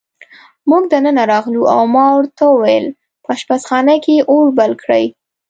موږ دننه راغلو، ما ورته وویل: په اشپزخانه کې اور بل کړئ.